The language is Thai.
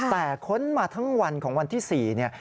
แต่ค้นมาทั้งวันของวันที่๔เนี่ย